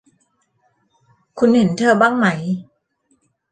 คุณเห็นเธอบ้างไหม